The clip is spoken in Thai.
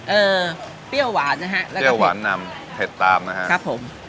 เอ่อเปรี้ยวหวานนะฮะแล้วก็เปรี้ยวหวานนำเผ็ดตามนะฮะครับผม